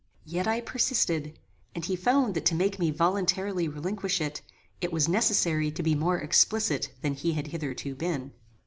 Yet I persisted, and he found that to make me voluntarily relinquish it, it was necessary to be more explicit than he had hitherto been.